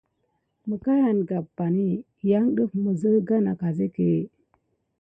Məkayan yane def mis dedazan tumpay kutu suck kim kirore.